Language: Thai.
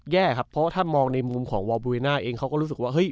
แย่ครับเพราะถ้ามองในมุมของวอร์บูริน่าเองเขาก็รู้สึกว่าเฮ้ย